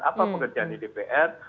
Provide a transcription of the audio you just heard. apa pekerjaan di dpr